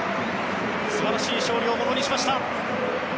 素晴らしい勝利をものにしました。